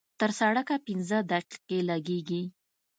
تر سړکه پينځه دقيقې لګېږي.